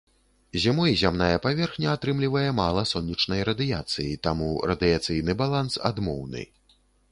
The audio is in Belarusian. Зімой зямная паверхня атрымлівае мала сонечнай радыяцыі, таму радыяцыйны баланс адмоўны.